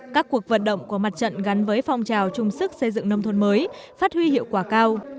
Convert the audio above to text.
các cuộc vận động của mặt trận gắn với phong trào trung sức xây dựng nông thôn mới phát huy hiệu quả cao